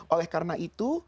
oleh karena itu